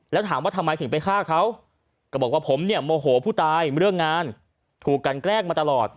แล้วถามว่าทำไมถึงไปฆ่าเขาก็บอกว่าผมเนี่ยโมโหผู้ตายเรื่องงานถูกกันแกล้งมาตลอด